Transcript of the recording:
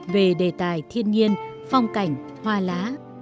về đề tài thiên nhiên phong cảnh hoa lá